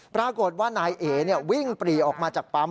ปรากฏว่านายเอ๋วิ่งปรีออกมาจากปั๊ม